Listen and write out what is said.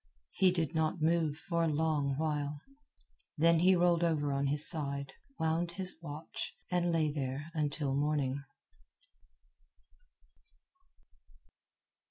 He did not move for a long while; then he rolled over on his side, wound his watch, and lay there until morning.